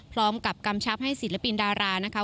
พร้อมกับกำชับให้ศิลปินดารานะคะ